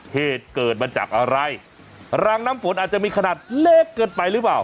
เหตุเกิดมาจากอะไรรางน้ำฝนอาจจะมีขนาดเล็กเกินไปหรือเปล่า